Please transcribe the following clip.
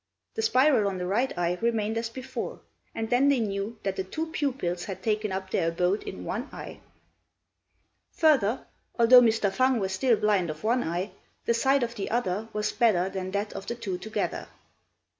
The spiral on the right eye remained as before; and then they knew that the two pupils had taken up their abode in one eye. Further, although Mr. Fang was still blind of one eye, the sight of the other was better than that of the two together.